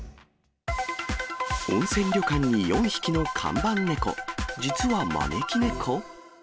温泉旅館に４匹の看板猫、実は招き猫？